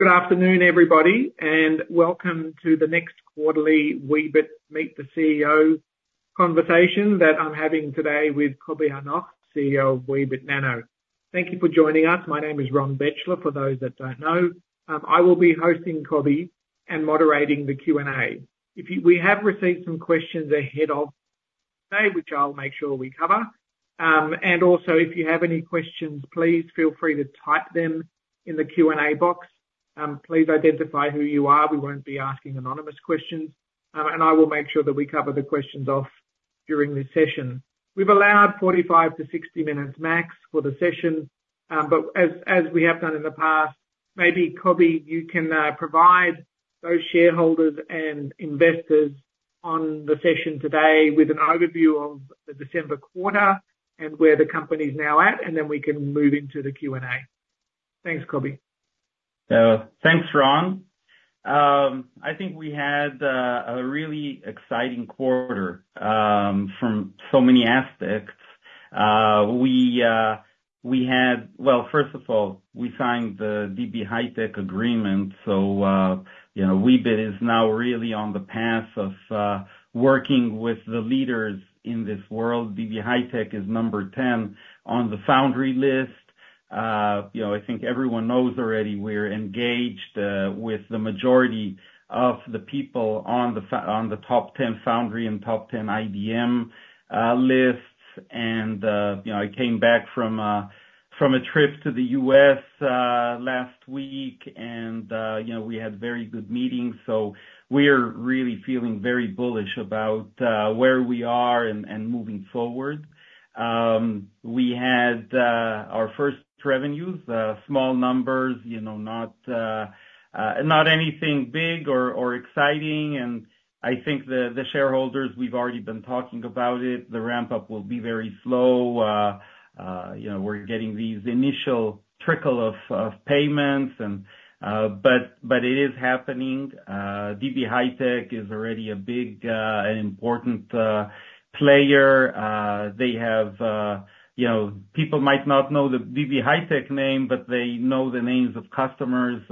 Good afternoon, everybody, and welcome to the next quarterly Weebit Meet the CEO conversation that I'm having today with Coby Hanoch, CEO of Weebit Nano. Thank you for joining us. My name is Ronn Bechler, for those that don't know. I will be hosting Coby Hanoch and moderating the Q&A. We have received some questions ahead of today, which I'll make sure we cover. And also, if you have any questions, please feel free to type them in the Q&A box. Please identify who you are, we won't be asking anonymous questions. And I will make sure that we cover the questions off during this session. We've allowed 45-60 minutes max for the session, but as we have done in the past, maybe Coby, you can provide those shareholders and investors on the session today with an overview of the December quarter and where the company is now at, and then we can move into the Q&A. Thanks, Coby. Thanks, Ronn. I think we had a really exciting quarter from so many aspects. We had... Well, first of all, we signed the DB HiTek agreement, so, you know, Weebit is now really on the path of working with the leaders in this world. DB HiTek is number 10 on the foundry list. You know, I think everyone knows already, we're engaged with the majority of the people on the top 10 foundry and top 10 IDM lists. And, you know, I came back from a trip to the U.S. last week, and, you know, we had very good meetings, so we are really feeling very bullish about where we are and moving forward. We had our first revenues, small numbers, you know, not anything big or exciting, and I think the shareholders, we've already been talking about it. The ramp-up will be very slow. You know, we're getting these initial trickle of payments and, but it is happening. DB HiTek is already a big, an important player. They have, you know, people might not know the DB HiTek name, but they know the names of customers,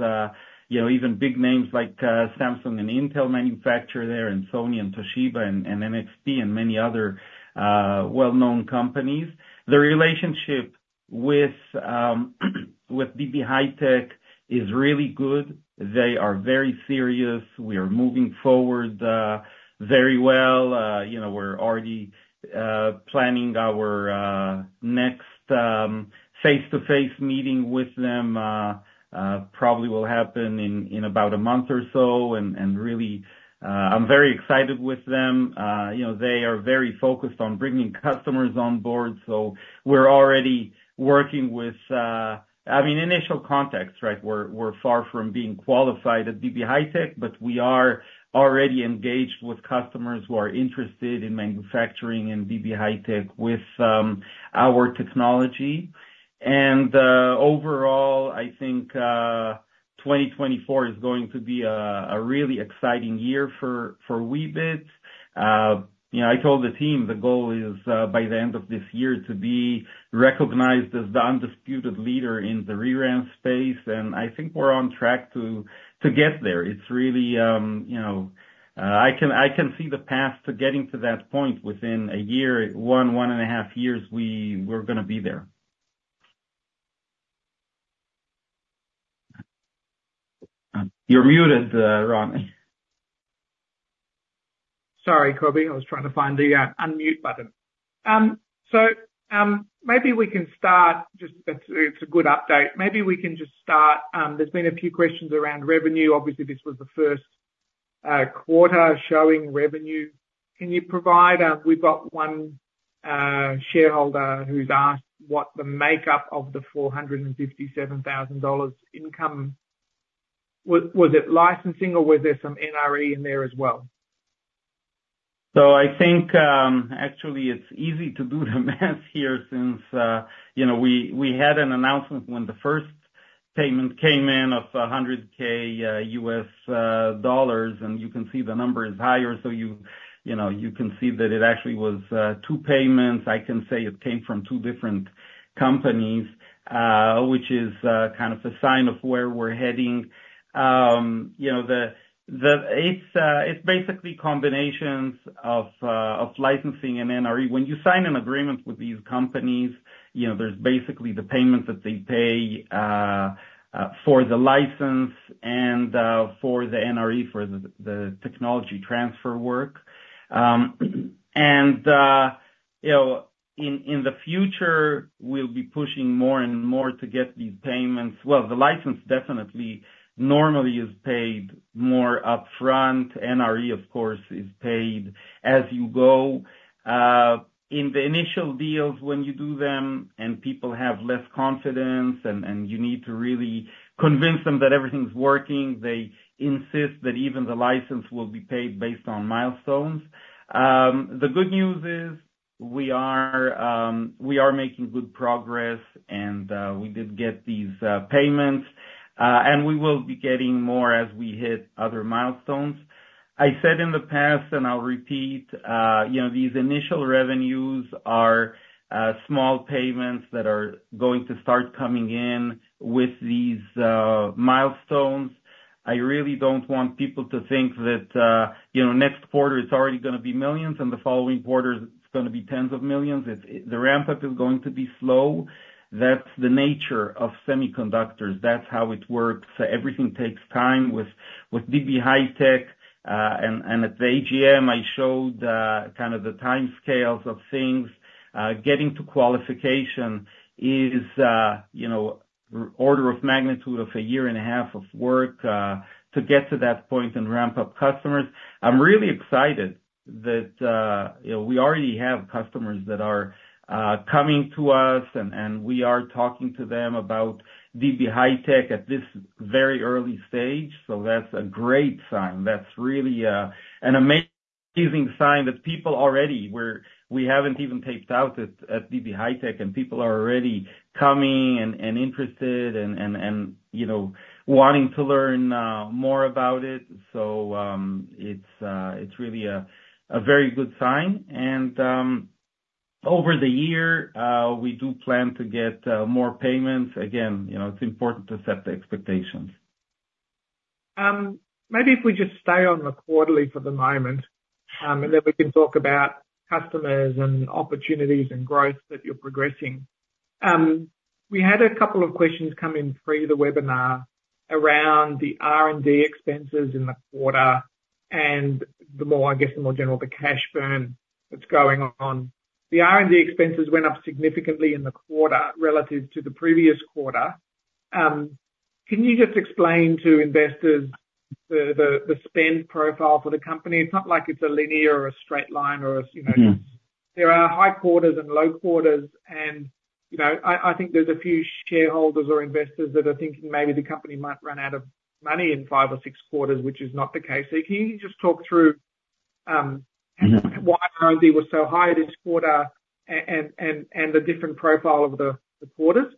you know, even big names like Samsung and Intel manufacture there, and Sony, and Toshiba, and NXP, and many other well-known companies. The relationship with DB HiTek is really good. They are very serious. We are moving forward very well. You know, we're already planning our next face-to-face meeting with them, probably will happen in about a month or so. Really, I'm very excited with them. You know, they are very focused on bringing customers on board, so we're already working with... I mean, initial contacts, right? We're far from being qualified at DB HiTek, but we are already engaged with customers who are interested in manufacturing at DB HiTek with our technology. Overall, I think, 2024 is going to be a really exciting year for Weebit. You know, I told the team the goal is, by the end of this year, to be recognized as the undisputed leader in the ReRAM space, and I think we're on track to get there. It's really, you know, I can, I can see the path to getting to that point within a year, one and a half years, we're gonna be there. You're muted, Ron. Sorry, Coby. I was trying to find the unmute button. So, maybe we can start. It's a good update. Maybe we can just start. There's been a few questions around revenue. Obviously, this was the Q1 showing revenue. Can you provide... We've got one shareholder who's asked what the makeup of the $457,000 income. Was it licensing or was there some NRE in there as well? So I think, actually, it's easy to do the math here since, you know, we had an announcement when the first payment came in of $100,000, and you can see the number is higher. So you know, you can see that it actually was two payments. I can say it came from two different companies, which is kind of a sign of where we're heading. You know, it's basically combinations of licensing and NRE. When you sign an agreement with these companies, you know, there's basically the payments that they pay for the license and for the NRE, for the technology transfer work. And you know, in the future, we'll be pushing more and more to get these payments. Well, the license definitely normally is paid more upfront. NRE, of course, is paid as you go. In the initial deals, when you do them and people have less confidence and you need to really convince them that everything's working, they insist that even the license will be paid based on milestones. The good news is we are making good progress, and we did get these payments, and we will be getting more as we hit other milestones. I said in the past, and I'll repeat, you know, these initial revenues are small payments that are going to start coming in with these milestones. I really don't want people to think that, you know, next quarter it's already gonna be millions, and the following quarter it's gonna be tens of millions. The ramp-up is going to be slow. That's the nature of semiconductors. That's how it works. Everything takes time. With DB HiTek, and at the AGM, I showed kind of the timescales of things. Getting to qualification is, you know, order of magnitude of a year and a half of work, to get to that point and ramp up customers. I'm really excited that, you know, we already have customers that are coming to us, and we are talking to them about DB HiTek at this very early stage. So that's a great sign. That's really an amazing sign that people already, where we haven't even taped out at DB HiTek, and people are already coming and interested and, you know, wanting to learn more about it. It's really a very good sign. Over the year, we do plan to get more payments. Again, you know, it's important to set the expectations. Maybe if we just stay on the quarterly for the moment, and then we can talk about customers and opportunities and growth that you're progressing. We had a couple of questions come in pre the webinar around the R&D expenses in the quarter, and the more, I guess, the more general, the cash burn that's going on. The R&D expenses went up significantly in the quarter relative to the previous quarter. Can you just explain to investors the spend profile for the company? It's not like it's a linear or a straight line or a, you know- Mm-hmm. There are high quarters and low quarters, and, you know, I, I think there's a few shareholders or investors that are thinking maybe the company might run out of money in five or six quarters, which is not the case. So can you just talk through, Mm-hmm. Why R&D was so high this quarter and the different profile of the quarters?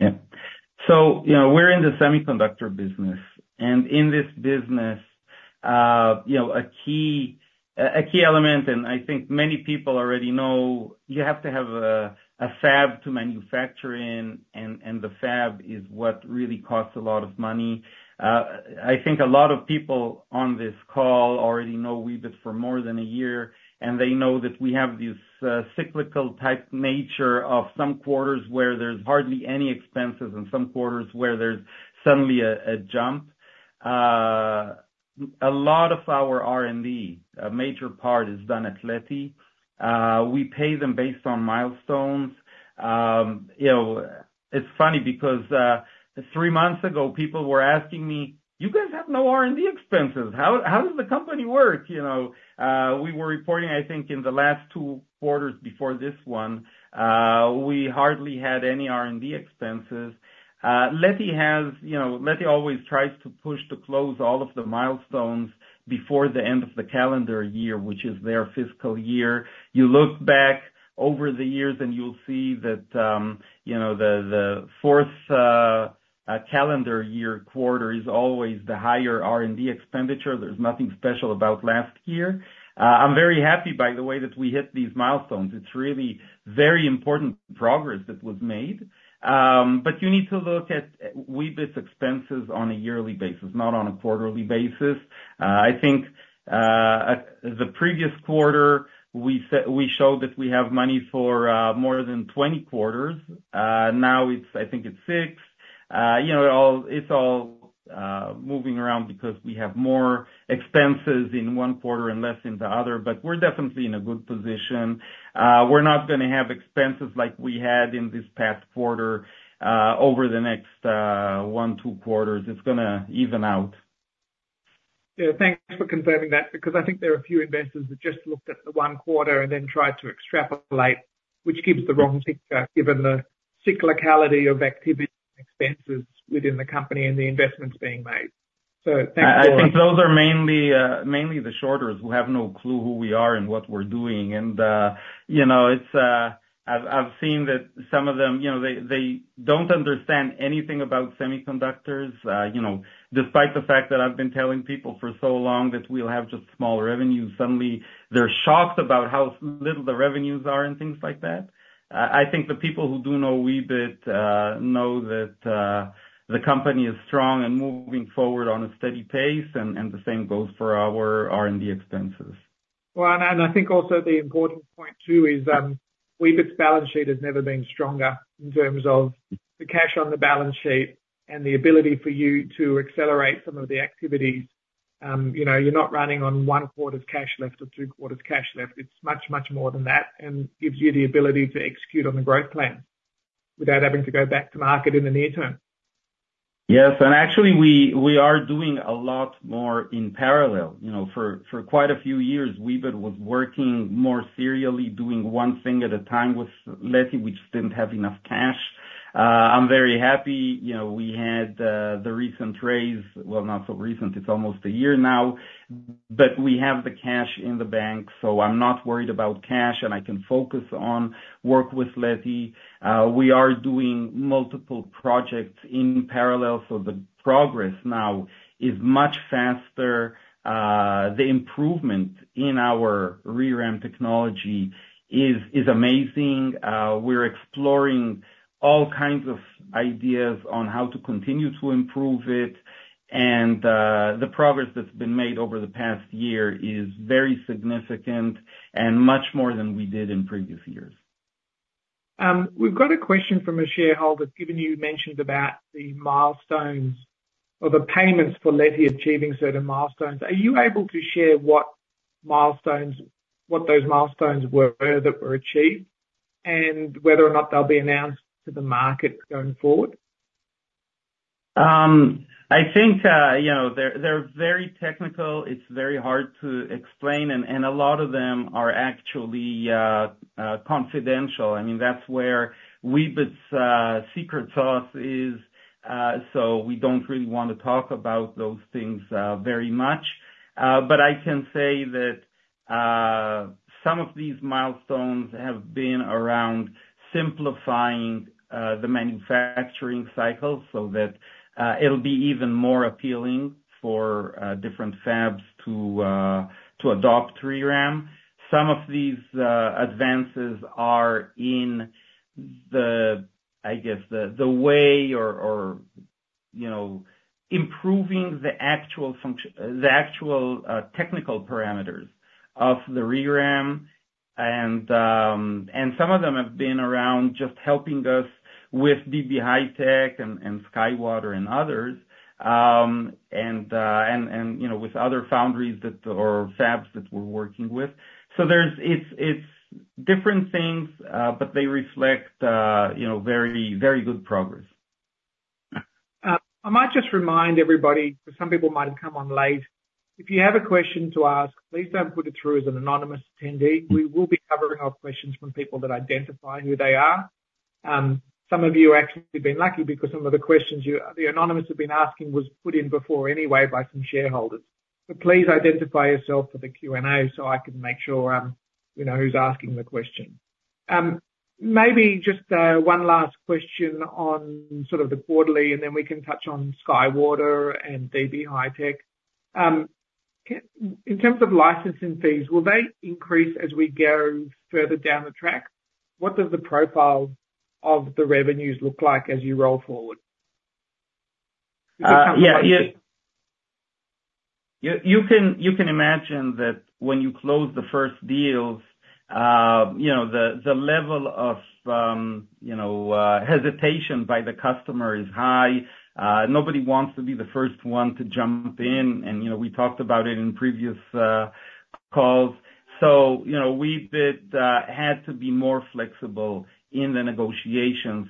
Yeah. So, you know, we're in the semiconductor business, and in this business, you know, a key element, and I think many people already know, you have to have a fab to manufacture in, and the fab is what really costs a lot of money. I think a lot of people on this call already know Weebit for more than a year, and they know that we have this cyclical type nature of some quarters where there's hardly any expenses, and some quarters where there's suddenly a jump. A lot of our R&D, a major part is done at Leti. We pay them based on milestones. You know, it's funny because, three months ago, people were asking me, "You guys have no R&D expenses. How does the company work?" You know, we were reporting, I think, in the last 2 quarters before this one, we hardly had any R&D expenses. Leti has, you know, Leti always tries to push to close all of the milestones before the end of the calendar year, which is their fiscal year. You look back over the years and you'll see that, you know, the fourth calendar year quarter is always the higher R&D expenditure. There's nothing special about last year. I'm very happy, by the way, that we hit these milestones. It's really very important progress that was made. But you need to look at Weebit's expenses on a yearly basis, not on a quarterly basis. I think, at the previous quarter, we showed that we have money for, more than 20 quarters. Now it's... I think it's 6. You know, it's all moving around because we have more expenses in one quarter and less in the other, but we're definitely in a good position. We're not gonna have expenses like we had in this past quarter, over the next 1, 2 quarters. It's gonna even out. Yeah. Thanks for confirming that, because I think there are a few investors that just looked at the one quarter and then tried to extrapolate, which gives the wrong picture, given the cyclicality of activity and expenses within the company and the investments being made. So thank you for- I think those are mainly the shorters who have no clue who we are and what we're doing. You know, I've seen that some of them, you know, they don't understand anything about semiconductors. You know, despite the fact that I've been telling people for so long that we'll have just small revenues, suddenly they're shocked about how little the revenues are and things like that. I think the people who do know Weebit know that the company is strong and moving forward on a steady pace, and the same goes for our R&D expenses. Well, I think also the important point, too, is Weebit's balance sheet has never been stronger in terms of the cash on the balance sheet and the ability for you to accelerate some of the activities. You know, you're not running on one quarter's cash left or two quarters cash left. It's much, much more than that, and gives you the ability to execute on the growth plan without having to go back to market in the near term. Yes, and actually, we are doing a lot more in parallel. You know, for quite a few years, Weebit was working more serially, doing one thing at a time with Leti; we just didn't have enough cash. I'm very happy. You know, we had the recent raise. Well, not so recent, it's almost a year now. But we have the cash in the bank, so I'm not worried about cash, and I can focus on work with Leti. We are doing multiple projects in parallel, so the progress now is much faster. The improvement in our ReRAM technology is amazing. We're exploring all kinds of ideas on how to continue to improve it. And the progress that's been made over the past year is very significant and much more than we did in previous years. We've got a question from a shareholder, given you mentioned about the milestones or the payments for Leti achieving certain milestones. Are you able to share what those milestones were that were achieved, and whether or not they'll be announced to the market going forward? I think, you know, they're very technical. It's very hard to explain, and a lot of them are actually confidential. I mean, that's where Weebit's secret sauce is, so we don't really want to talk about those things very much. But I can say that some of these milestones have been around simplifying the manufacturing cycle so that it'll be even more appealing for different fabs to adopt ReRAM. Some of these advances are in the, I guess, the way or, you know, improving the actual technical parameters of the ReRAM. And some of them have been around just helping us with DB HiTek and SkyWater and others, and you know, with other foundries that or fabs that we're working with. So it's different things, but they reflect, you know, very, very good progress. I might just remind everybody, some people might have come on late. If you have a question to ask, please don't put it through as an anonymous attendee. We will be covering off questions from people that identify who they are. Some of you have actually been lucky because some of the questions the anonymous have been asking was put in before anyway by some shareholders. But please identify yourself for the Q&A so I can make sure, you know, who's asking the question. Maybe just, one last question on sort of the quarterly, and then we can touch on SkyWater and DB HiTek. In terms of licensing fees, will they increase as we go further down the track? What does the profile of the revenues look like as you roll forward? Yeah. You can imagine that when you close the first deals, you know, the level of, you know, hesitation by the customer is high. Nobody wants to be the first one to jump in, and, you know, we talked about it in previous calls. So, you know, Weebit had to be more flexible in the negotiations.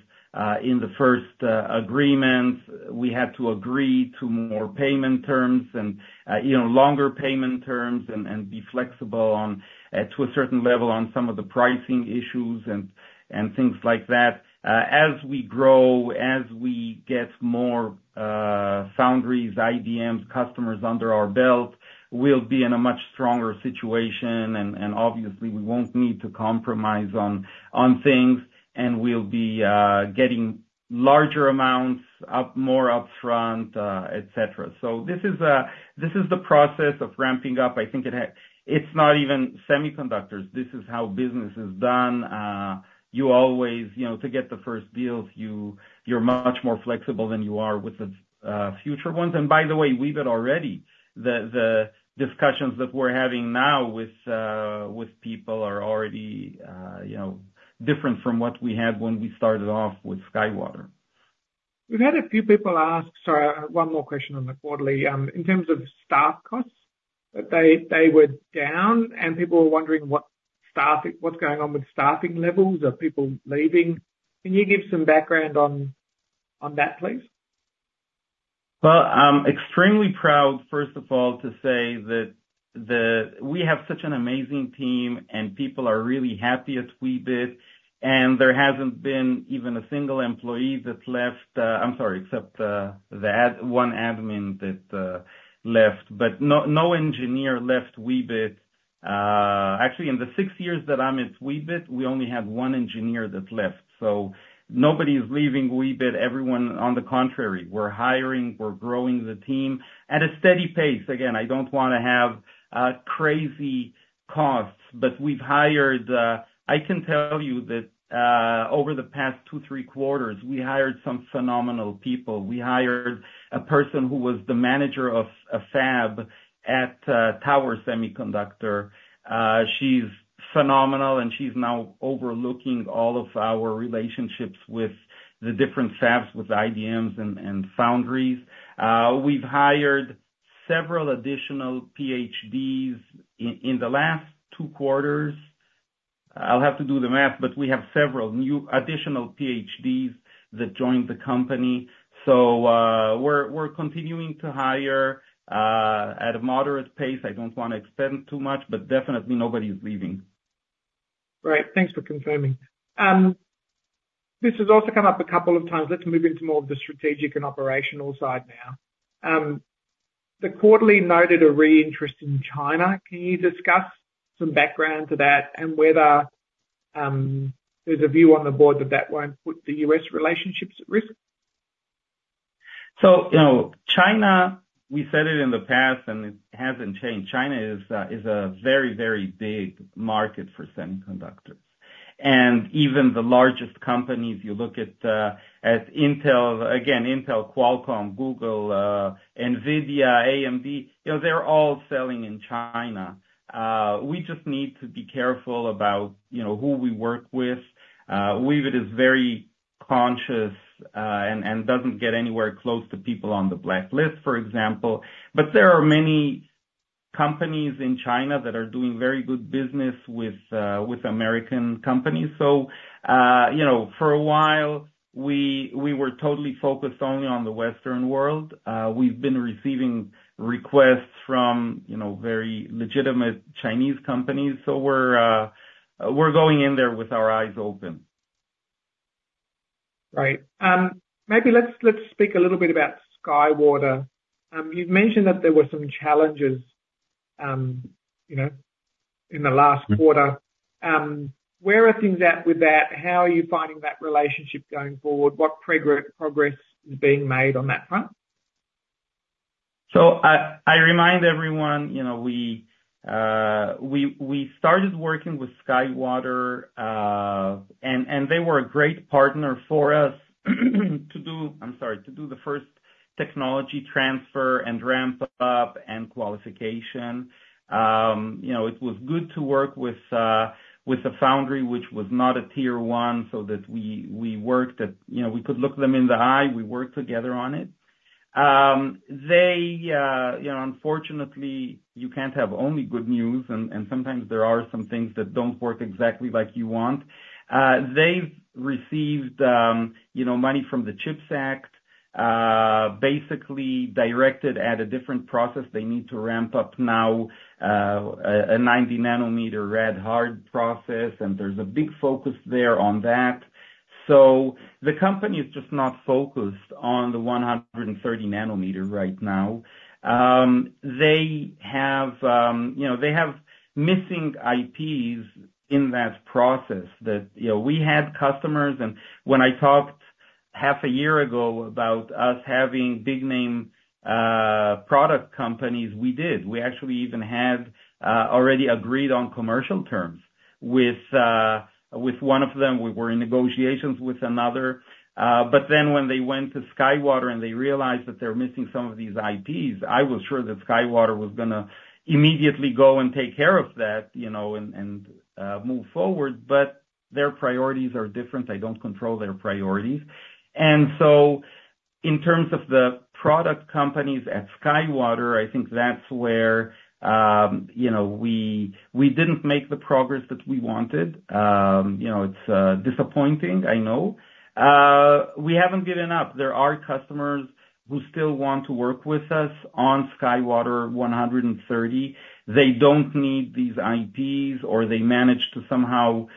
In the first agreements, we had to agree to more payment terms and, you know, longer payment terms and be flexible on, to a certain level, on some of the pricing issues and things like that. As we grow, as we get more foundries, IDMs, customers under our belt, we'll be in a much stronger situation, and obviously we won't need to compromise on things, and we'll be getting larger amounts up, more upfront, et cetera. So this is the process of ramping up. I think it's not even semiconductors. This is how business is done. You always, you know, to get the first deals, you're much more flexible than you are with the future ones. And by the way, Weebit already, the discussions that we're having now with people are already, you know, different from what we had when we started off with SkyWater. We've had a few people ask... Sorry, one more question on the quarterly. In terms of staff costs, they, they were down, and people were wondering what staffing- what's going on with staffing levels. Are people leaving? Can you give some background on, on that, please? Well, I'm extremely proud, first of all, to say that we have such an amazing team, and people are really happy at Weebit, and there hasn't been even a single employee that's left, I'm sorry, except one admin that left, but no, no engineer left Weebit. Actually, in the six years that I'm at Weebit, we only have one engineer that's left, so nobody's leaving Weebit. Everyone, on the contrary, we're hiring, we're growing the team at a steady pace. Again, I don't want to have crazy costs, but we've hired... I can tell you that over the past two, three quarters, we hired some phenomenal people. We hired a person who was the manager of a fab at Tower Semiconductor. She's phenomenal, and she's now overlooking all of our relationships with the different fabs, with IDMs and foundries. We've hired several additional PhDs in the last two quarters. I'll have to do the math, but we have several new additional PhDs that joined the company. So, we're continuing to hire at a moderate pace. I don't want to spend too much, but definitely nobody's leaving.... Great, thanks for confirming. This has also come up a couple of times. Let's move into more of the strategic and operational side now. The quarterly noted a renewed interest in China. Can you discuss some background to that and whether, there's a view on the board that that won't put the U.S. relationships at risk? So, you know, China, we said it in the past, and it hasn't changed. China is a very, very big market for semiconductors, and even the largest companies, you look at Intel, again, Intel, Qualcomm, Google, NVIDIA, AMD, you know, they're all selling in China. We just need to be careful about, you know, who we work with. Weebit is very conscious, and doesn't get anywhere close to people on the blacklist, for example. But there are many companies in China that are doing very good business with American companies. So, you know, for a while, we were totally focused only on the Western world. We've been receiving requests from, you know, very legitimate Chinese companies, so we're going in there with our eyes open. Right. Maybe let's, let's speak a little bit about SkyWater. You've mentioned that there were some challenges, you know, in the last quarter. Where are things at with that? How are you finding that relationship going forward? What progress is being made on that front? So, I remind everyone, you know, we started working with SkyWater, and they were a great partner for us to do. I'm sorry, to do the first technology transfer and ramp up and qualification. You know, it was good to work with a foundry which was not a tier one, so that we worked. You know, we could look them in the eye, we worked together on it. You know, unfortunately, you can't have only good news, and sometimes there are some things that don't work exactly like you want. They've received, you know, money from the CHIPS Act, basically directed at a different process. They need to ramp up now a 90 nanometer rad hard process, and there's a big focus there on that. So the company is just not focused on the 130 nanometer right now. They have, you know, they have missing IPs in that process that, you know, we had customers, and when I talked half a year ago about us having big name, product companies, we did. We actually even had already agreed on commercial terms with, with one of them. We were in negotiations with another. But then when they went to SkyWater and they realized that they're missing some of these IPs, I was sure that SkyWater was gonna immediately go and take care of that, you know, and move forward, but their priorities are different. I don't control their priorities. And so in terms of the product companies at SkyWater, I think that's where, you know, we didn't make the progress that we wanted. You know, it's disappointing, I know. We haven't given up. There are customers who still want to work with us on SkyWater 130. They don't need these IPs, or they manage to somehow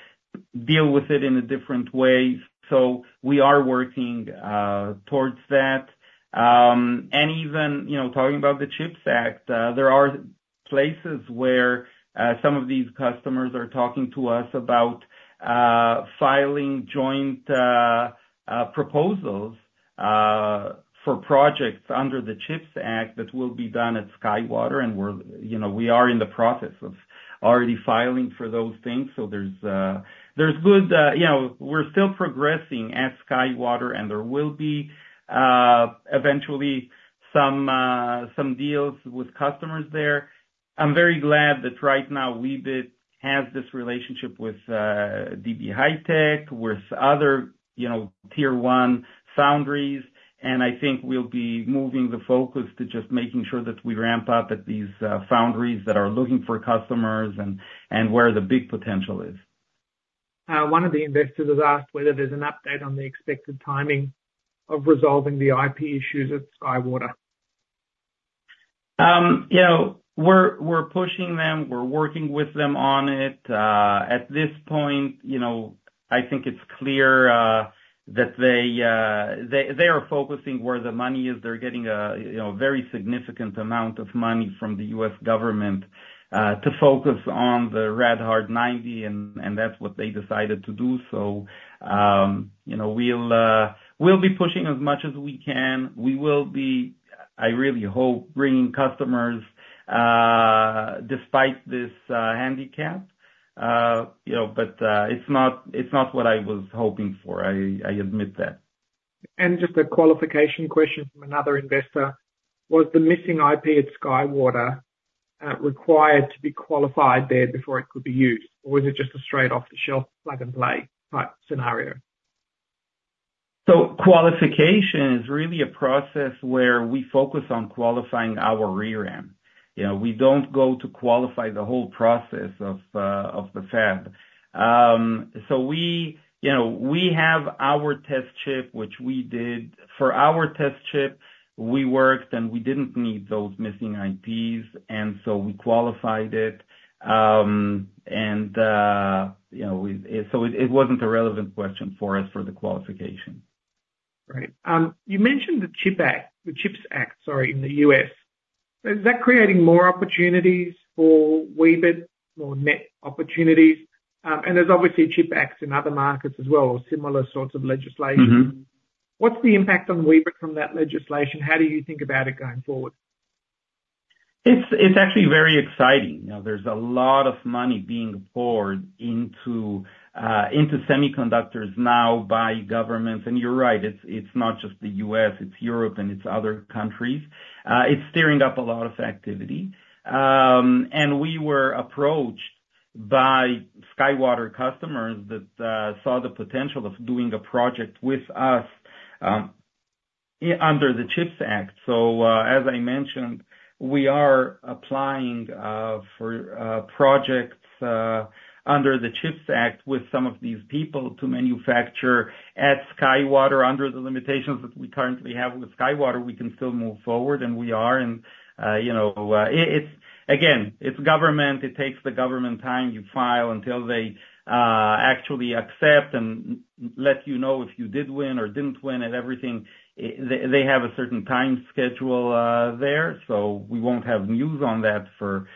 deal with it in a different way. So we are working towards that. And even, you know, talking about the CHIPS Act, there are places where some of these customers are talking to us about filing joint proposals for projects under the CHIPS Act that will be done at SkyWater, and we're, you know, we are in the process of already filing for those things. So there's good... You know, we're still progressing at SkyWater, and there will be eventually some deals with customers there. I'm very glad that right now, Weebit has this relationship with DB HiTek, with other, you know, tier one foundries, and I think we'll be moving the focus to just making sure that we ramp up at these foundries that are looking for customers and, and where the big potential is. One of the investors has asked whether there's an update on the expected timing of resolving the IP issues at SkyWater. You know, we're pushing them. We're working with them on it. At this point, you know, I think it's clear that they are focusing where the money is. They're getting a, you know, very significant amount of money from the U.S. government to focus on the rad-hard 90, and that's what they decided to do. So, you know, we'll be pushing as much as we can. We will be, I really hope, bringing customers despite this handicap, you know, but it's not what I was hoping for, I admit that. Just a qualification question from another investor: Was the missing IP at SkyWater required to be qualified there before it could be used, or is it just a straight-off-the-shelf, plug-and-play type scenario? So qualification is really a process where we focus on qualifying our ReRAM. You know, we don't go to qualify the whole process of the fab. So we, you know, we have our test chip, which we did. For our test chip, we worked, and we didn't need those missing IPs, and so we qualified it, and you know, so it wasn't a relevant question for us for the qualification. Great. You mentioned the CHIPS Act, sorry, in the US. Is that creating more opportunities for Weebit, more net opportunities? And there's obviously CHIPS Acts in other markets as well, or similar sorts of legislation. Mm-hmm. What's the impact on Weebit from that legislation? How do you think about it going forward? It's actually very exciting. You know, there's a lot of money being poured into semiconductors now by governments. And you're right, it's not just the U.S., it's Europe and it's other countries. It's stirring up a lot of activity. And we were approached by SkyWater customers that saw the potential of doing a project with us under the CHIPS Act. So, as I mentioned, we are applying for projects under the CHIPS Act with some of these people to manufacture at SkyWater. Under the limitations that we currently have with SkyWater, we can still move forward, and we are, and you know, it's again, it's government. It takes the government time. You file until they actually accept and let you know if you did win or didn't win and everything. They have a certain time schedule there, so we won't have news on that for,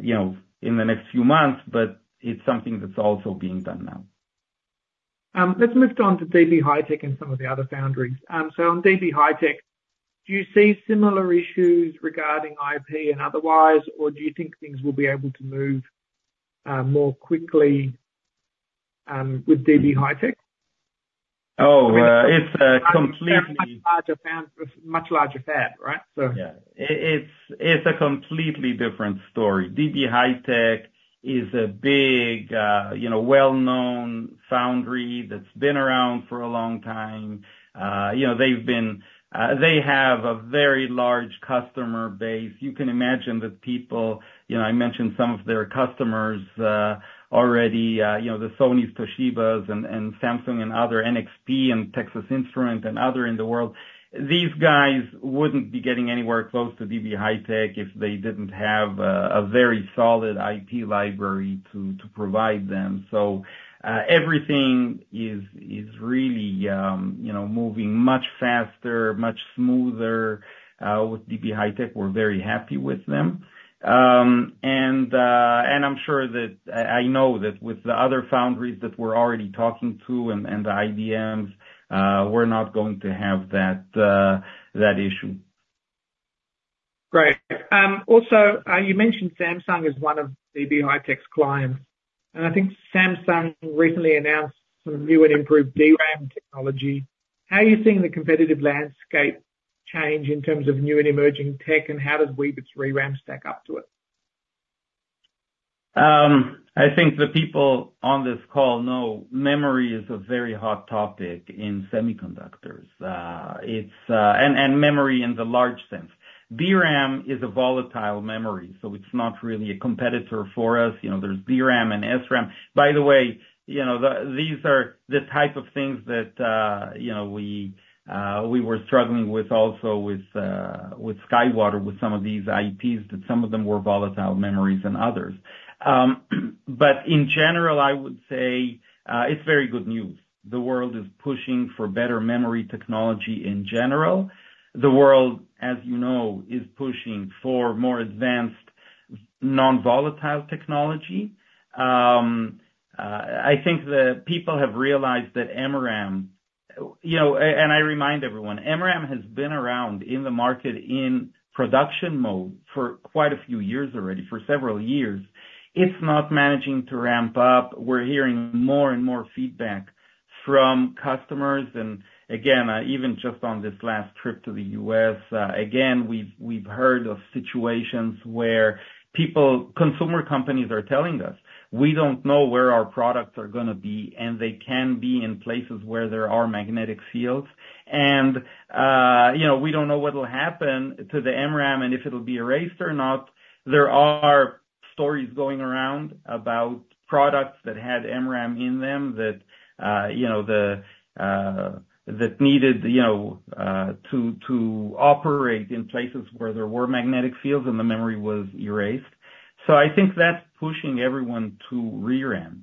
you know, in the next few months, but it's something that's also being done now. Let's move on to DB HiTek and some of the other foundries. So on DB HiTek, do you see similar issues regarding IP and otherwise, or do you think things will be able to move more quickly with DB HiTek? Oh, it's a completely- Much larger fab, right? So. Yeah. It's a completely different story. DB HiTek is a big, you know, well-known foundry that's been around for a long time. They have a very large customer base. You can imagine that people, you know, I mentioned some of their customers, already, you know, the Sony, Toshiba and Samsung and other NXP and Texas Instruments and other in the world. These guys wouldn't be getting anywhere close to DB HiTek if they didn't have a very solid IP library to provide them. So, everything is really, you know, moving much faster, much smoother, with DB HiTek. We're very happy with them. I'm sure that... I know that with the other foundries that we're already talking to and the IDMs, we're not going to have that issue. Great. Also, you mentioned Samsung is one of DB HiTek's clients, and I think Samsung recently announced some new and improved DRAM technology. How are you seeing the competitive landscape change in terms of new and emerging tech, and how does Weebit's ReRAM stack up to it? I think the people on this call know memory is a very hot topic in semiconductors. It's memory in the large sense. DRAM is a volatile memory, so it's not really a competitor for us. You know, there's DRAM and SRAM. By the way, you know, these are the type of things that, you know, we were struggling with also with SkyWater, with some of these IPs, that some of them were volatile memories than others. But in general, I would say, it's very good news. The world is pushing for better memory technology in general. The world, as you know, is pushing for more advanced non-volatile technology. I think the people have realized that MRAM, you know, and I remind everyone, MRAM has been around in the market in production mode for quite a few years already, for several years. It's not managing to ramp up. We're hearing more and more feedback from customers, and again, even just on this last trip to the U.S., again, we've heard of situations where people, consumer companies are telling us: "We don't know where our products are gonna be, and they can be in places where there are magnetic fields, and, you know, we don't know what will happen to the MRAM and if it'll be erased or not." There are stories going around about products that had MRAM in them that, you know, that needed, you know, to operate in places where there were magnetic fields, and the memory was erased. So I think that's pushing everyone to ReRAM.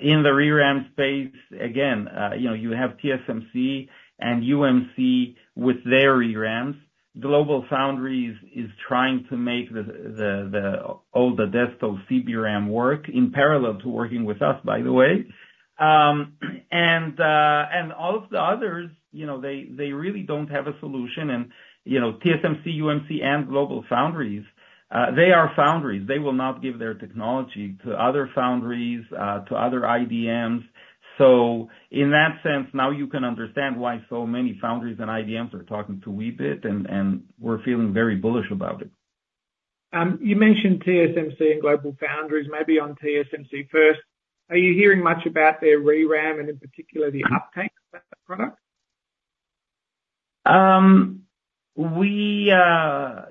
In the ReRAM space, again, you know, you have TSMC and UMC with their ReRAMs. GlobalFoundries is trying to make the older Adesto CBRAM work in parallel to working with us, by the way. And all of the others, you know, they really don't have a solution. And, you know, TSMC, UMC, and GlobalFoundries, they are foundries. They will not give their technology to other foundries, to other IDMs. So in that sense, now you can understand why so many foundries and IDMs are talking to Weebit, and we're feeling very bullish about it. You mentioned TSMC and GlobalFoundries, maybe on TSMC first. Are you hearing much about their ReRAM and in particular, the uptake of that product?...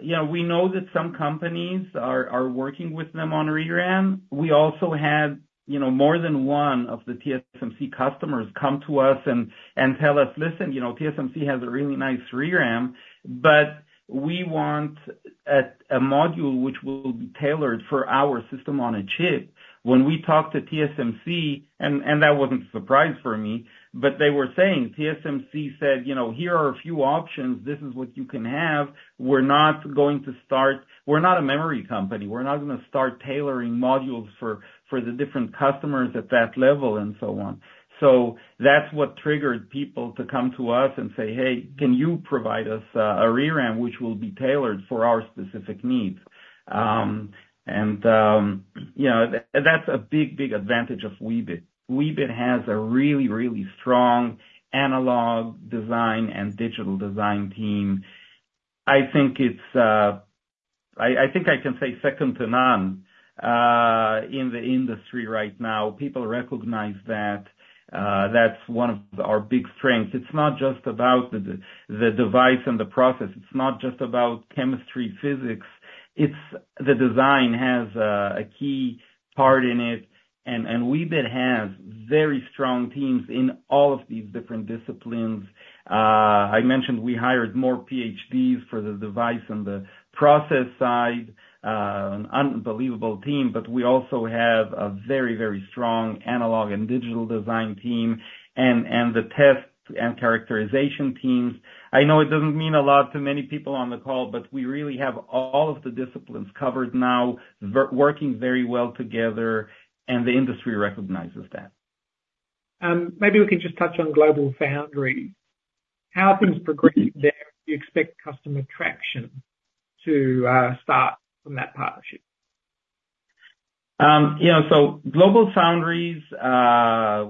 Yeah, we know that some companies are working with them on ReRAM. We also had, you know, more than one of the TSMC customers come to us and tell us: "Listen, you know, TSMC has a really nice ReRAM, but we want a module which will be tailored for our system on a chip." When we talked to TSMC, and that wasn't a surprise for me, but they were saying, TSMC said, "You know, here are a few options. This is what you can have. We're not going to start, we're not a memory company. We're not gonna start tailoring modules for the different customers at that level," and so on. So that's what triggered people to come to us and say, "Hey, can you provide us, a ReRAM, which will be tailored for our specific needs?" you know, that's a big, big advantage of Weebit. Weebit has a really, really strong analog design and digital design team. I think it's, I think I can say second to none, in the industry right now. People recognize that, that's one of our big strengths. It's not just about the device and the process. It's not just about chemistry, physics. It's the design has, a key part in it, and Weebit has very strong teams in all of these different disciplines. I mentioned we hired more PhDs for the device and the process side, an unbelievable team, but we also have a very, very strong analog and digital design team, and, and the test and characterization teams. I know it doesn't mean a lot to many people on the call, but we really have all of the disciplines covered now, working very well together, and the industry recognizes that. Maybe we can just touch on GlobalFoundries. How things progress there? Do you expect customer traction to start from that partnership? You know, so GlobalFoundries,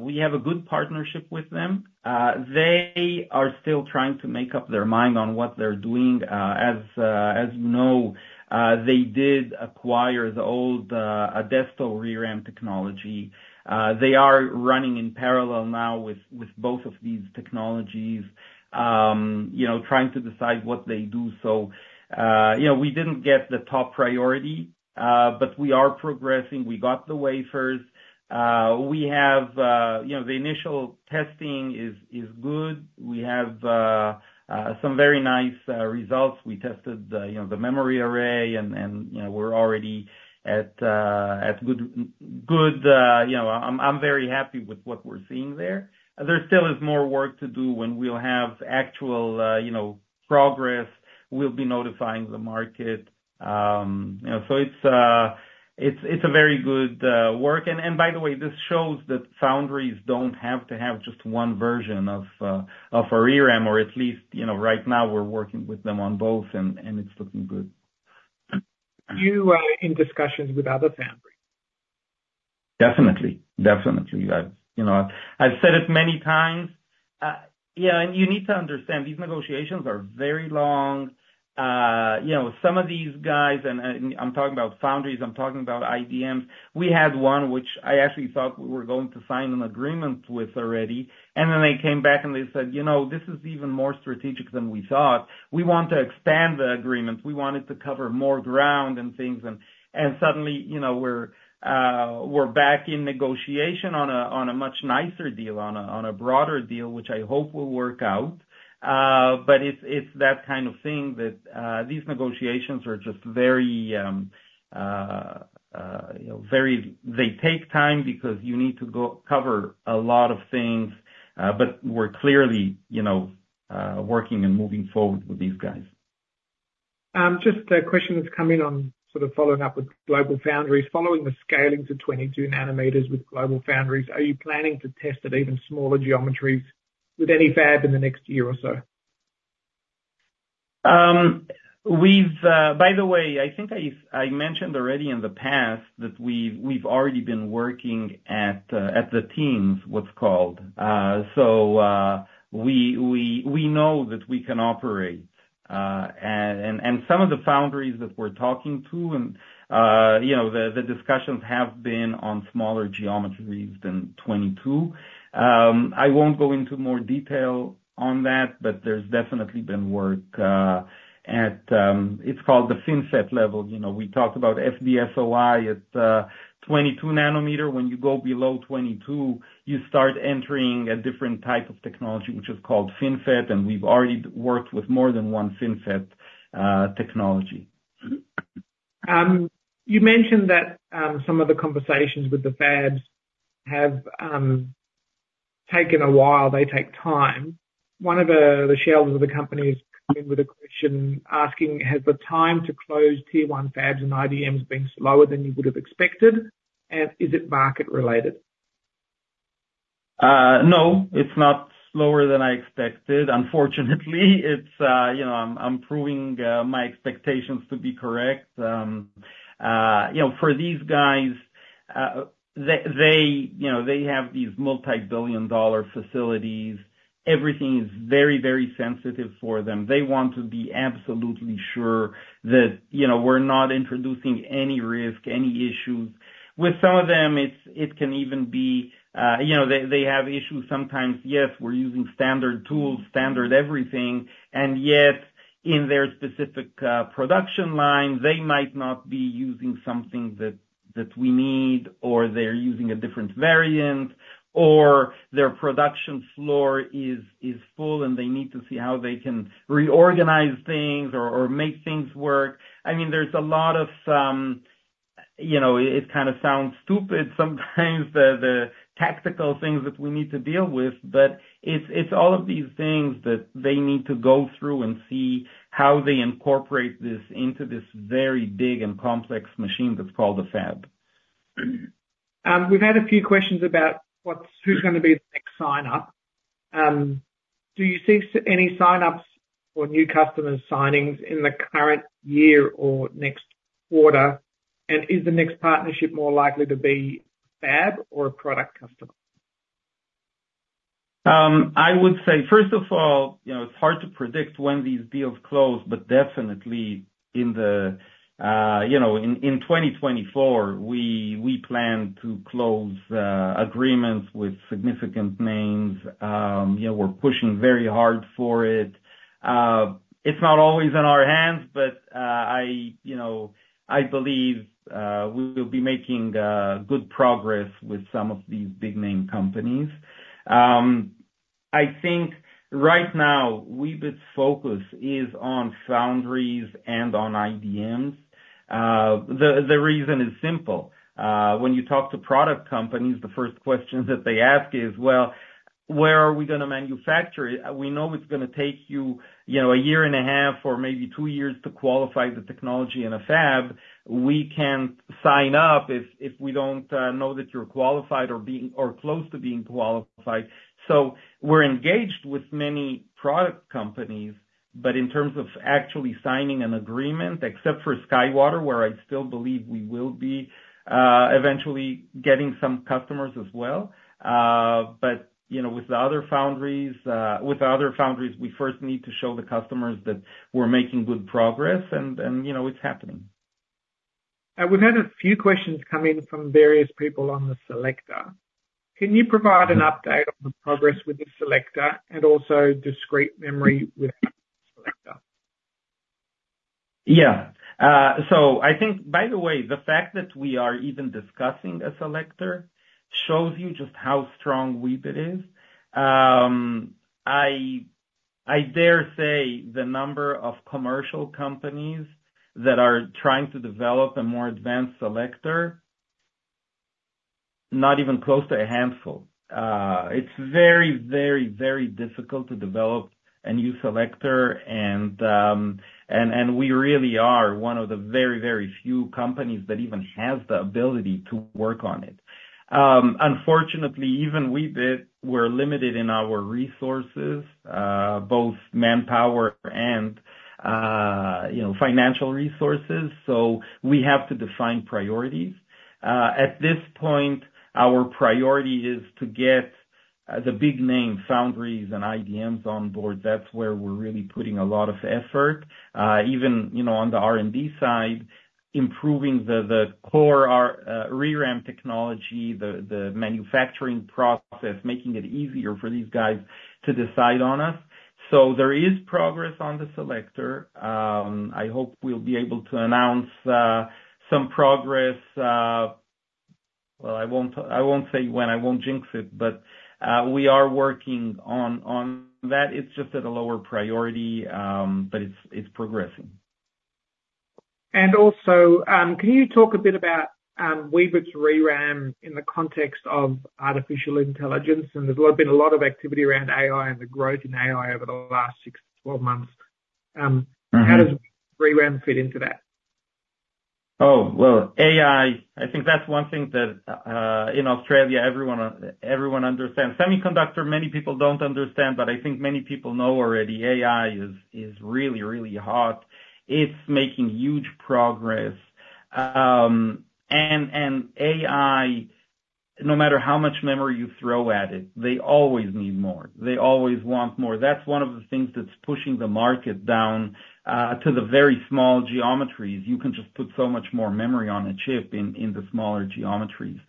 we have a good partnership with them. They are still trying to make up their mind on what they're doing. As you know, they did acquire the old Adesto ReRAM technology. They are running in parallel now with both of these technologies, you know, trying to decide what they do. So, you know, we didn't get the top priority, but we are progressing. We got the wafers. We have, you know, the initial testing is good. We have some very nice results. We tested, you know, the memory array and, you know, we're already at good, you know... I'm very happy with what we're seeing there. There still is more work to do. When we'll have actual, you know, progress, we'll be notifying the market. You know, so it's a very good work. And by the way, this shows that foundries don't have to have just one version of a ReRAM, or at least, you know, right now we're working with them on both and it's looking good. You are in discussions with other foundries? Definitely, definitely. I've, you know, I've said it many times. Yeah, and you need to understand, these negotiations are very long. You know, some of these guys, and I'm talking about foundries, I'm talking about IDMs, we had one which I actually thought we were going to sign an agreement with already, and then they came back, and they said, "You know, this is even more strategic than we thought. We want to expand the agreement. We want it to cover more ground and things," and suddenly, you know, we're back in negotiation on a much nicer deal, on a broader deal, which I hope will work out. But it's that kind of thing that these negotiations are just very, you know, very. They take time because you need to go cover a lot of things, but we're clearly, you know, working and moving forward with these guys. Just a question that's come in on sort of following up with GlobalFoundries. Following the scaling to 22 nanometers with GlobalFoundries, are you planning to test at even smaller geometries with any fab in the next year or so? By the way, I think I mentioned already in the past that we've already been working at the 10s, what's called. So, we know that we can operate in some of the foundries that we're talking to, and, you know, the discussions have been on smaller geometries than 22. I won't go into more detail on that, but there's definitely been work at what's called the FinFET level. You know, we talked about FDSOI at 22-nm. When you go below 22, you start entering a different type of technology, which is called FinFET, and we've already worked with more than one FinFET technology. You mentioned that some of the conversations with the fabs have taken a while, they take time. One of the shareholders of the company has come in with a question asking: Has the time to close tier one fabs and IDMs been slower than you would have expected, and is it market related? No, it's not slower than I expected. Unfortunately, it's, you know, I'm proving my expectations to be correct. You know, for these guys, they, you know, they have these multi-billion-dollar facilities. Everything is very, very sensitive for them. They want to be absolutely sure that, you know, we're not introducing any risk, any issues. With some of them, it's, it can even be, you know, they have issues sometimes. Yes, we're using standard tools, standard everything, and yet in their specific production line, they might not be using something that we need, or they're using a different variant, or their production floor is full, and they need to see how they can reorganize things or make things work. I mean, there's a lot of, you know, it kind of sounds stupid sometimes, the tactical things that we need to deal with, but it's all of these things that they need to go through and see how they incorporate this into this very big and complex machine that's called a fab. We've had a few questions about who's gonna be the next sign up. Do you see any signups or new customer signings in the current year or next quarter? Is the next partnership more likely to be fab or a product customer? I would say, first of all, you know, it's hard to predict when these deals close, but definitely in the, you know, in, in 2024, we, we plan to close, agreements with significant names. You know, we're pushing very hard for it. It's not always in our hands, but, I, you know, I believe, we will be making, good progress with some of these big name companies. I think right now, Weebit's focus is on foundries and on IDMs. The, the reason is simple. When you talk to product companies, the first questions that they ask is, "Well, where are we gonna manufacture it? We know it's gonna take you, you know, a year and a half or maybe two years to qualify the technology in a fab. We can't sign up if we don't know that you're qualified or being or close to being qualified." So we're engaged with many product companies, but in terms of actually signing an agreement, except for SkyWater, where I still believe we will be eventually getting some customers as well. But, you know, with the other foundries, with the other foundries, we first need to show the customers that we're making good progress, and you know, it's happening. We've had a few questions come in from various people on the selector. Can you provide an update on the progress with the selector and also discrete memory with the selector? Yeah. So I think, by the way, the fact that we are even discussing a selector shows you just how strong Weebit is. I dare say the number of commercial companies that are trying to develop a more advanced selector, not even close to a handful. It's very, very, very difficult to develop a new selector, and we really are one of the very, very few companies that even has the ability to work on it. Unfortunately, even Weebit, we're limited in our resources, both manpower and, you know, financial resources, so we have to define priorities. At this point, our priority is to get the big name foundries and IDMs on board. That's where we're really putting a lot of effort. Even, you know, on the R&D side, improving the core, our ReRAM technology, the manufacturing process, making it easier for these guys to decide on us. So there is progress on the selector. I hope we'll be able to announce some progress. Well, I won't, I won't say when, I won't jinx it, but we are working on that. It's just at a lower priority, but it's progressing. And also, can you talk a bit about Weebit's ReRAM in the context of artificial intelligence? And there's been a lot of activity around AI and the growth in AI over the last 6-12 months. Mm-hmm. How does ReRAM fit into that? Oh, well, AI, I think that's one thing that in Australia everyone, everyone understands. Semiconductor, many people don't understand, but I think many people know already AI is really, really hot. It's making huge progress. And AI, no matter how much memory you throw at it, they always need more. They always want more. That's one of the things that's pushing the market down to the very small geometries. You can just put so much more memory on a chip in the smaller geometries.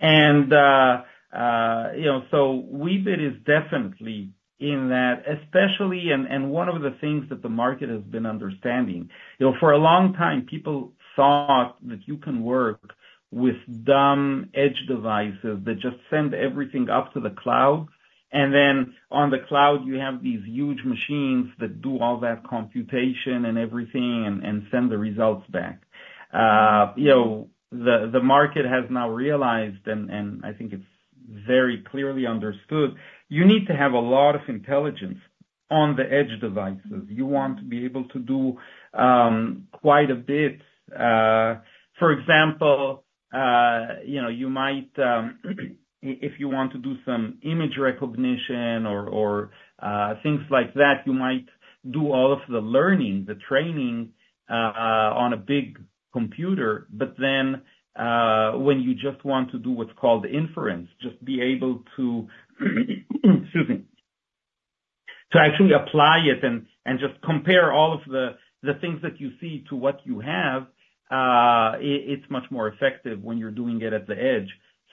And you know, so Weebit is definitely in that, especially... and one of the things that the market has been understanding. You know, for a long time, people thought that you can work with dumb edge devices that just send everything up to the cloud, and then on the cloud, you have these huge machines that do all that computation and everything and send the results back. You know, the market has now realized, and I think it's very clearly understood, you need to have a lot of intelligence on the edge devices. You want to be able to do quite a bit. For example, you know, you might, if you want to do some image recognition or things like that, you might do all of the learning, the training on a big computer. But then, when you just want to do what's called inference, just be able to, excuse me, to actually apply it and just compare all of the things that you see to what you have, it's much more effective when you're doing it at the edge.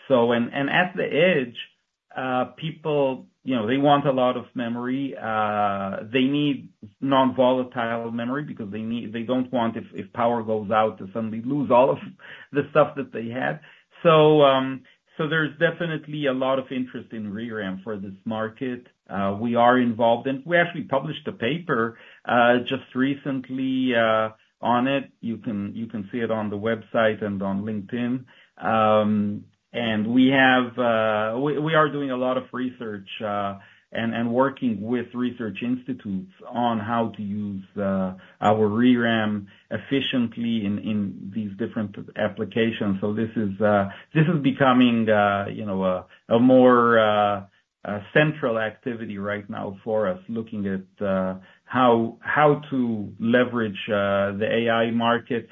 So, and at the edge, people, you know, they want a lot of memory. They need non-volatile memory because they don't want, if power goes out, to suddenly lose all of the stuff that they had. So, so there's definitely a lot of interest in ReRAM for this market. We actually published a paper just recently on it. You can see it on the website and on LinkedIn. We are doing a lot of research and working with research institutes on how to use our ReRAM efficiently in these different applications. So this is becoming, you know, a more central activity right now for us, looking at how to leverage the AI market.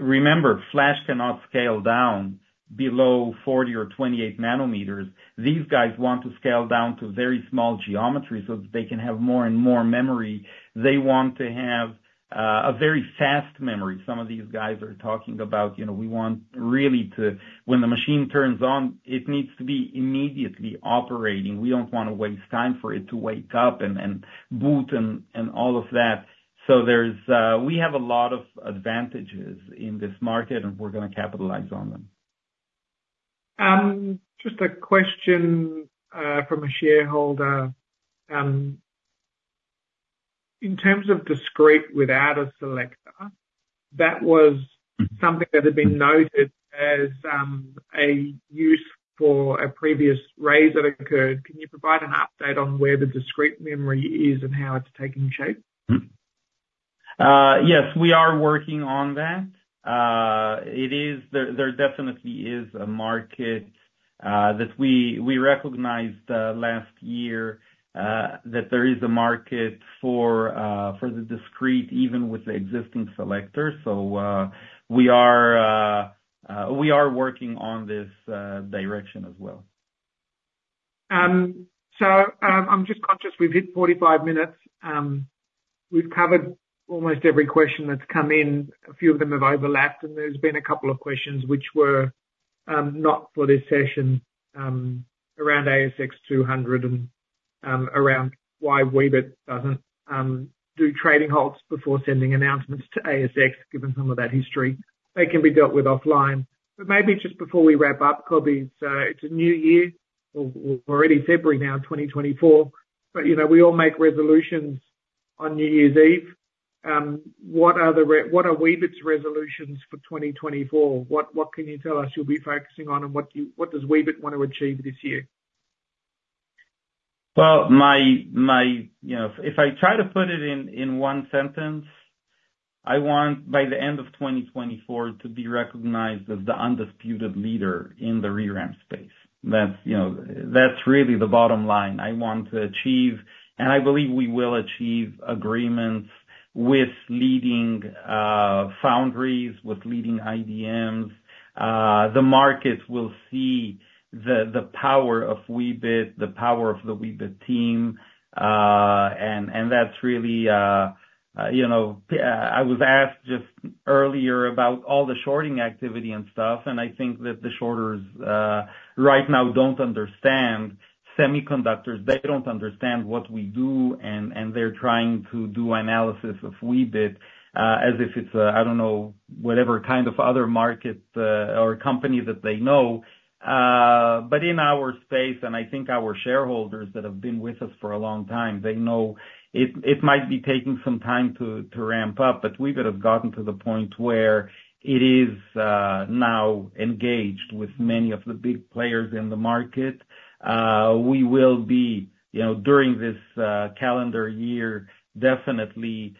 Remember, flash cannot scale down below 40 or 28 nm. These guys want to scale down to very small geometry so that they can have more and more memory. They want to have a very fast memory. Some of these guys are talking about, you know, we want really to... When the machine turns on, it needs to be immediately operating. We don't want to waste time for it to wake up and boot and all of that. So there's... We have a lot of advantages in this market, and we're gonna capitalize on them. Just a question from a shareholder. In terms of discrete without a selector, that was something that had been noted as a use for a previous raise that occurred. Can you provide an update on where the discrete memory is and how it's taking shape? Yes, we are working on that. There definitely is a market that we recognized last year that there is a market for the discrete, even with the existing selector. So, we are working on this direction as well. So, I'm just conscious we've hit 45 minutes. We've covered almost every question that's come in. A few of them have overlapped, and there's been a couple of questions which were not for this session, around ASX 200 and around why Weebit doesn't do trading halts before sending announcements to ASX, given some of that history. They can be dealt with offline. But maybe just before we wrap up, Coby, so it's a new year or we're already February now, 2024, but you know, we all make resolutions on New Year's Eve. What are Weebit's resolutions for 2024? What can you tell us you'll be focusing on, and what does Weebit want to achieve this year? Well, you know, if I try to put it in one sentence, I want, by the end of 2024, to be recognized as the undisputed leader in the ReRAM space. That's, you know, that's really the bottom line. I want to achieve, and I believe we will achieve agreements with leading foundries, with leading IDMs. The markets will see the power of Weebit, the power of the Weebit team, and that's really, you know, I was asked just earlier about all the shorting activity and stuff, and I think that the shorters right now don't understand semiconductors. They don't understand what we do, and they're trying to do analysis of Weebit as if it's a, I don't know, whatever kind of other market or company that they know. But in our space, and I think our shareholders that have been with us for a long time, they know it, it might be taking some time to ramp up, but Weebit have gotten to the point where it is now engaged with many of the big players in the market. We will be, you know, during this calendar year, definitely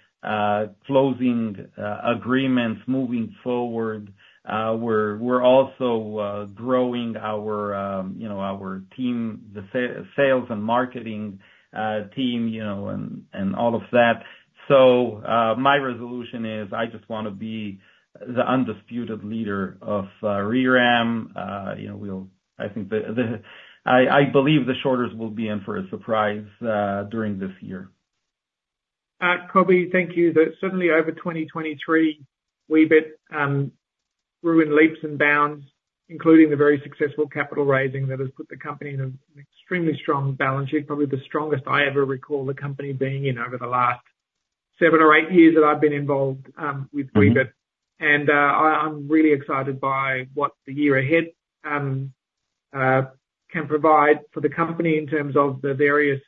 closing agreements moving forward. We're also growing our, you know, our team, the sales and marketing team, you know, and all of that. So my resolution is, I just wanna be the undisputed leader of ReRAM. You know, I think I believe the shorters will be in for a surprise during this year. Coby, thank you. But certainly, over 2023, Weebit grew in leaps and bounds, including the very successful capital raising that has put the company in an extremely strong balance sheet, probably the strongest I ever recall the company being in over the last seven or eight years that I've been involved with Weebit. Mm-hmm. And, I'm really excited by what the year ahead can provide for the company in terms of the various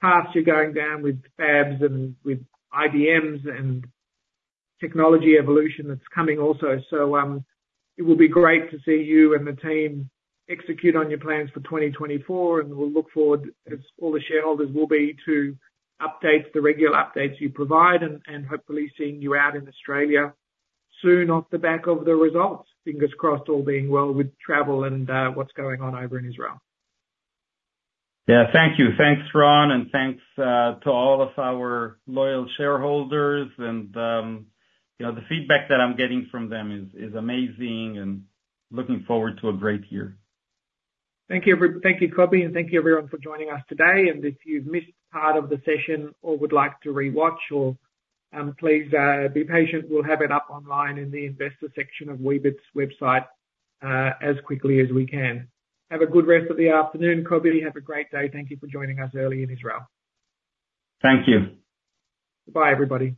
paths you're going down with fabs and with IDMs and technology evolution that's coming also. So, it will be great to see you and the team execute on your plans for 2024, and we'll look forward, as all the shareholders will be, to updates, the regular updates you provide, and hopefully seeing you out in Australia soon off the back of the results. Fingers crossed, all being well with travel and what's going on over in Israel. Yeah. Thank you. Thanks, Ron, and thanks to all of our loyal shareholders and, you know, the feedback that I'm getting from them is amazing, and looking forward to a great year. Thank you, everyone, thank you, Coby, and thank you, everyone, for joining us today. If you've missed part of the session or would like to rewatch or, please, be patient, we'll have it up online in the investor section of Weebit's website, as quickly as we can. Have a good rest of the afternoon, Coby. Have a great day. Thank you for joining us early in Israel. Thank you. Bye, everybody.